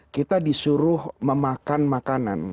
kita disuruh memakan makanan